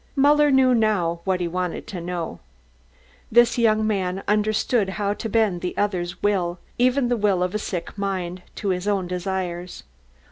Muller knew now what he wanted to know. This young man understood how to bend the will of others, even the will of a sick mind, to his own desires.